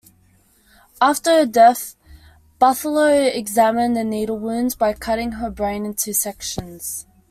After her death, Bartholow examined the needle wounds by cutting her brain into sections.